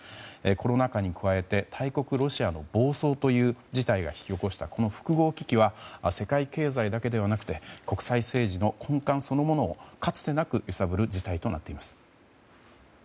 コロナ禍に加えて大国ロシアの暴走という事態が引き起こした複合危機は世界経済だけじゃなくて国際政治の根幹そのものをかつてなく揺さぶる事態となっています。